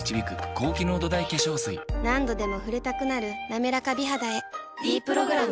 何度でも触れたくなる「なめらか美肌」へ「ｄプログラム」